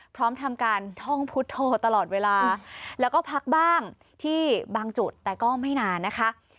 พร้อมทำการท่องพุทธโธตลอดเวลาแล้วก็พักบ้างที่บางจุดแต่ก็ไม่นานนะคะ